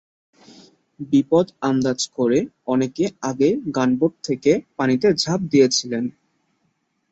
বিপদ আন্দাজ করে অনেকে আগেই গানবোট থেকে পানিতে ঝাঁপ দিয়েছিলেন।